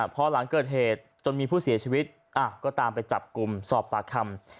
พอหลังเกิดเหตุจนมีผู้เสียชีวิตก็ตามไปจับกลุ่มสอบปากคำ